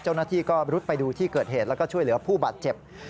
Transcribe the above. เจ้าหน้าที่ก็รุดไปดูที่เกิดเหตุแล้วก็ช่วยเหลือผู้บาดเจ็บ